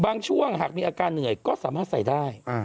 ช่วงหากมีอาการเหนื่อยก็สามารถใส่ได้